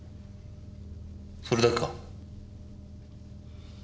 それだけか？